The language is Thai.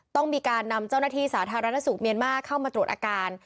ต้องมีการนำเจ้าหน้าที่สาธารณสุขเมียนมาร์เข้ามาตรวจอาการ